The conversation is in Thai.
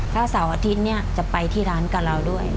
แต่ว่าสาวอาทิตย์จะไปที่ร้านกับเราด้วย